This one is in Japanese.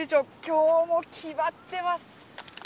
今日もきまってます！